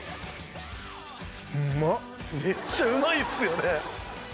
めっちゃうまいっすよね！